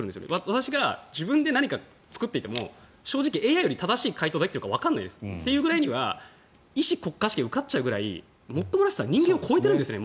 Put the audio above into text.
私が自分で何か作っていても正直、ＡＩより正しい回答ができるかわからないです。というくらいには医師国家試験を受かっちゃうくらいもっともらしさは人間を超えてるんですね